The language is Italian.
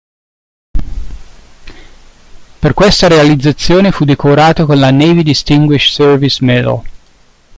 Per questa realizzazione fu decorato con la Navy Distinguished Service Medal.